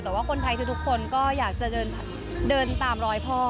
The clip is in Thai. แต่ว่าคนไทยทุกคนก็อยากจะเดินตามรอยพ่อ